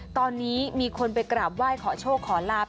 ตอนนี้มีคนไปกราบไหว้ขอโชคขอลาบ